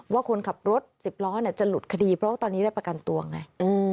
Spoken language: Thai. ว่าคนขับรถ๑๐ล้อจะหลุดคดีเพราะว่าตอนนี้ได้ประกันตัวไง